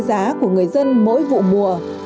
tài sản quý giá của người dân mỗi vụ mùa